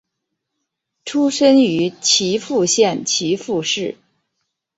出身于岐阜县岐阜市。